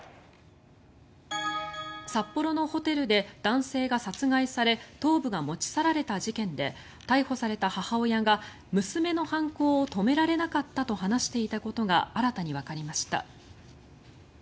札幌のホテルで男性が殺害され頭部が持ち去られた事件で逮捕された母親が娘の犯行を止められなかったと話していたことが新たにわかりました。